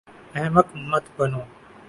احمق مت بنو